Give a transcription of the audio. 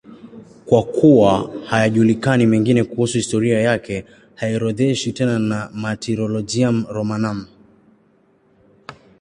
Kwa kuwa hayajulikani mengine kuhusu historia yake, haorodheshwi tena na Martyrologium Romanum.